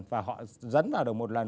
và họ dẫn vào được một lần